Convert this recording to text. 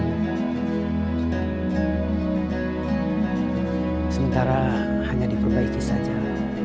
selain itu saya harus renovasi turbana praisedon